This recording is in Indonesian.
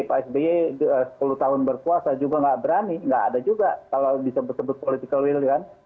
pak sby sepuluh tahun berkuasa juga nggak berani nggak ada juga kalau disebut political will kan